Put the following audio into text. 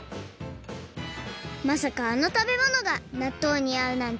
まさかあのたべものがなっとうにあうなんてビックリ！